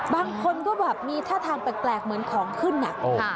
บางคนก็แบบมีท่าทางแปลกเหมือนของขึ้นอะ